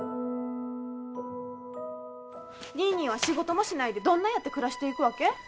ニーニーは仕事もしないでどんなやって暮らしていくわけ？